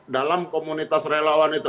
dalam komunitas relawan itu